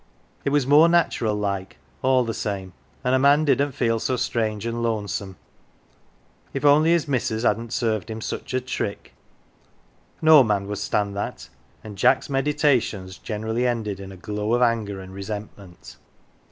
It was more natural like, all the same, and a man didn't feel so strange and lonesome. If only his missus hadn't served him such a trick ? No man would stand that and Jack's meditations generally ended in a glow of anger and resentment.